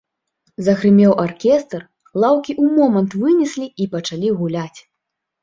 Загрымеў аркестр, лаўкі ў момант вынеслі і пачалі гуляць.